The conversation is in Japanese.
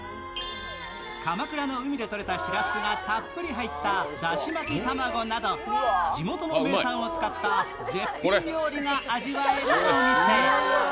鎌倉の海でとれたしらすがたっぷり入っただし巻き卵など、地元の名産を使った絶品料理が味わえるお店。